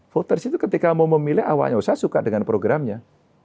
voters itu ketika mau memilih awalnya saya suka dengan programnya